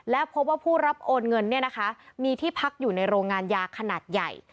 และพบว่าผู้รับโอนเงินมีที่พักอยู่ในโรงงานยาขนาดใหญ่